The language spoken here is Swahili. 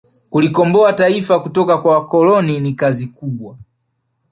kulikomboa taifa kutoka kwa wakoloni ni kazi kubwa